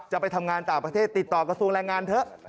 จะไปทำงานต่างประเทศติดต่อกระทรวงแรงงานเถอะ